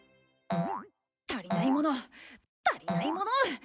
足りないもの足りないもの！